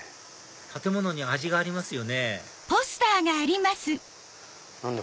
建物に味がありますよね何だ？